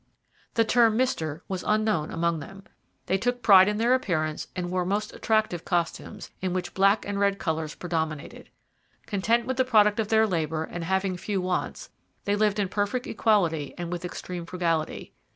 'The term Mister was unknown among them.' They took pride in their appearance and wore most attractive costumes, in which black and red colours predominated. Content with the product of their labour and having few wants, they lived in perfect equality and with extreme frugality.